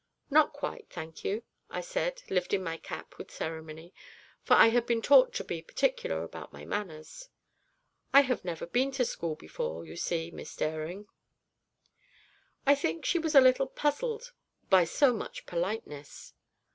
'Not quite, thank you,' I said, lifting my cap with ceremony, for I had been taught to be particular about my manners; 'I have never been to school before, you see, Miss Dering.' I think she was a little puzzled by so much politeness.